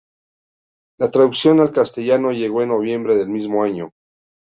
La traducción al castellano llegó en noviembre del mismo año.